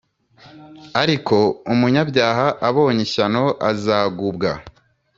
Ariko umunyabyaha abonye ishyano Azagubwa